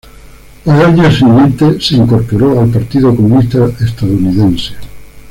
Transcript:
Al año siguiente se incorporó al Partido Comunista Estadounidense.